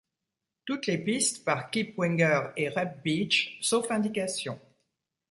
Toutes les pistes par Kip Winger & Reb Beach, sauf indication.